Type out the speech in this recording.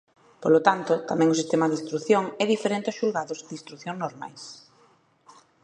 Polo tanto, tamén o sistema de instrución é diferente aos xulgados de Instrución normais.